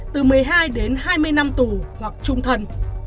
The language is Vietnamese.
từ một mươi hai đến hai mươi năm tù hoặc trung thần